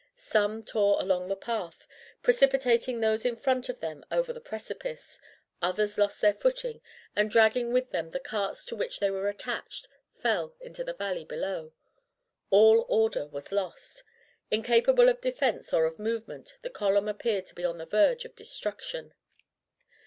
Some tore along the path, precipitating those in front of them over the precipice, others lost their footing, and, dragging with them the carts to which they were attached, fell into the valley below. All order was lost. Incapable of defence or of movement the column appeared to be on the verge of destruction.